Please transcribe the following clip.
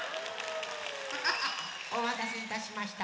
おまたせいたしました。